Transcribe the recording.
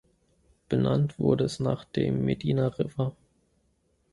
Benannt wurde es nach dem Medina River.